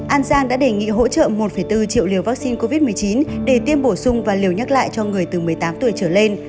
an giang đã đề nghị hỗ trợ một bốn triệu liều vaccine covid một mươi chín để tiêm bổ sung và liều nhắc lại cho người từ một mươi tám tuổi trở lên